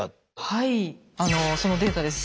はいそのデータです。